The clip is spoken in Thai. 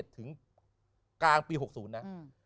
ถึงกลางปี๖๐นะ